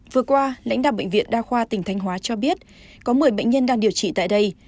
vừa qua lãnh đạo bệnh viện đa khoa tỉnh thanh hóa cho biết có một mươi bệnh nhân đang điều trị tại đây